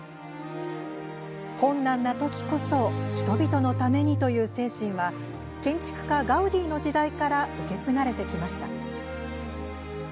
「困難なときこそ人々のために」という精神は建築家ガウディの時代から受け継がれてきました。